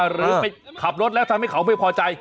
หรือไปขับรถแล้วทำให้เขาไม่พอใจ